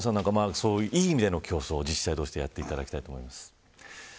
いい意味での競争を自治体同士でやっていただきたいです。